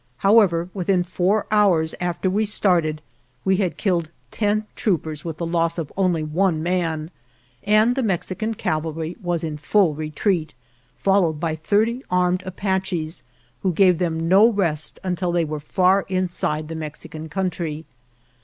However, within four hours after we started we had killed ten troopers with the loss of only one man, and the Mexican cavalry was in full retreat, followed by thirty armed Apaches, who gave them no rest until they were far inside the Mexi can country.